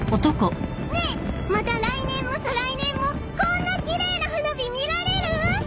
ねえまた来年も再来年もこんな奇麗な花火見られる？